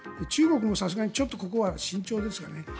中国もさすがにちょっとここは慎重ですがね。